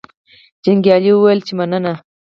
جنګیالي وویل چې مننه.